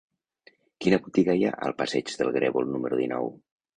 Quina botiga hi ha al passeig del Grèvol número dinou?